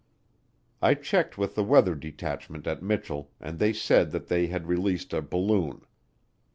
I checked with the weather detachment at Mitchel and they said that they had released a balloon.